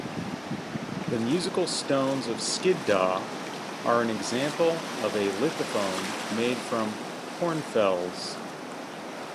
The Musical Stones of Skiddaw are an example of a lithophone made from hornfels.